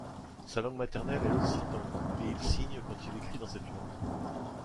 Sa langue maternelle est l'occitan, et il signe quand il écrit dans cette langue.